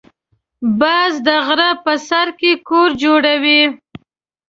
باز د غره په سر کې کور جوړوي